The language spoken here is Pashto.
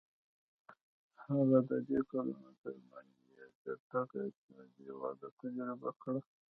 هغه د دې کلونو ترمنځ یې چټکه اقتصادي وده تجربه کړه.